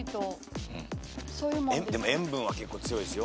でも塩分は結構強いですよ。